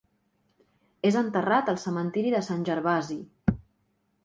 És enterrat al Cementiri de Sant Gervasi.